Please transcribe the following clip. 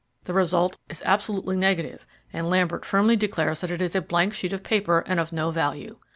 The result is absolutely negative, and Lambert firmly declares that it is a blank sheet of paper and of no value.